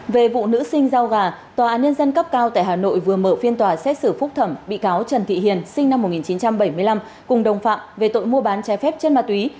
về vụ nữ sinh rau gà tòa án nhân dân cấp cao tại hà nội vừa mở phiên tòa xét xử phúc thẩm bị cáo trần thị hiền sinh năm một nghìn chín trăm bảy mươi năm cùng đồng phạm về tội mua bán trái phép chân ma túy